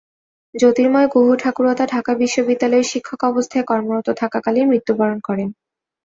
জ্যোতির্ময় গুহঠাকুরতা ঢাকা বিশ্ববিদ্যালয়ে শিক্ষক অবস্থায় কর্মরত থাকাকালীন মৃত্যুবরণ করেন।